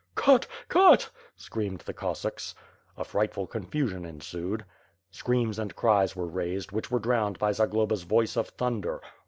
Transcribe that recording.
"Cut! Cut!" screamed the Cossacks. A frightful confusion ensued. Screams and cries were raised, which were drowned by Zagloba's voice of thunder.